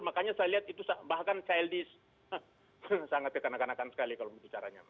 makanya saya lihat itu bahkan childish sangat ditanakan tanakan sekali kalau begitu caranya